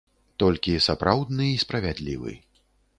Толькі сапраўдны і справядлівы.